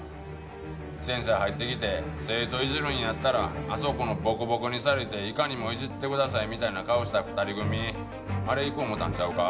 先生入ってきて生徒いじるんやったらあそこのボコボコにされていかにもいじってくださいみたいな顔した２人組あれいくん思うたんちゃうか？